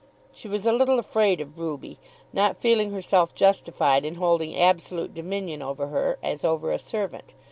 She was a little afraid of Ruby, not feeling herself justified in holding absolute dominion over her as over a servant.